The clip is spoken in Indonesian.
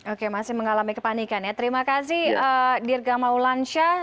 oke masih mengalami kepanikan ya terima kasih dirga maulansyah